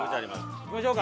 行きましょうか。